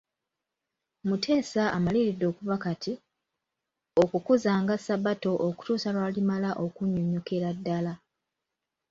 Muteesa amaliridde okuva kati, okukuzanga Sabbato okutuusa lw'alimala okunnyonnyokera ddala.